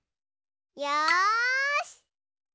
よし！